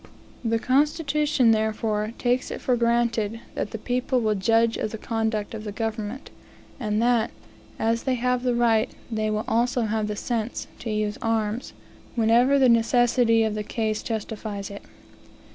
The constitution, therefore, takes it for granted that the people will judge of the conduct of the government, and that, as they have the right, they will also have the sense, to use arms, whenever the necessity of the case justifies it.